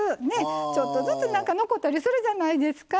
ちょっとずつ残ったりするじゃないですか。